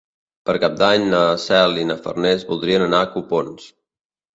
Per Cap d'Any na Cel i na Farners voldrien anar a Copons.